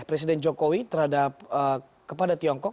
presiden jokowi terhadap kepada tiongkok